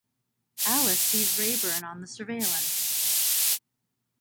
Alice sees Rayburn on the surveillance.